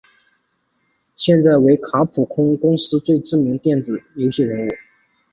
现在为卡普空公司最知名的电子游戏人物。